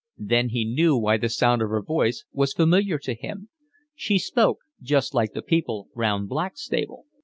Then he knew why the sound of her voice was familiar to him. She spoke just like the people round Blackstable.